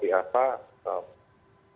tahu dengan jelas seperti apa